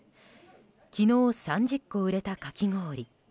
昨日３０個売れたかき氷。